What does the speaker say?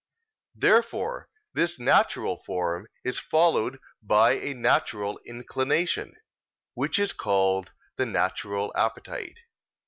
Therefore this natural form is followed by a natural inclination, which is called the natural appetite.